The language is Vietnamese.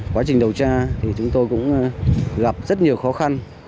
quá trình đầu tra chúng tôi cũng gặp rất nhiều khó khăn